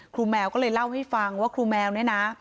แมวก็เลยเล่าให้ฟังว่าครูแมวเนี่ยนะ